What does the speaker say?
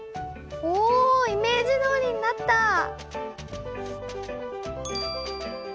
おイメージどおりになった！